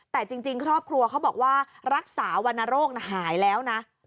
แต่จริงครอบครัวเขาบอกว่ารักษาวรรณโรคหายแล้วนะ